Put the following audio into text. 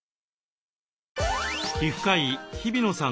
皮膚科医日比野さん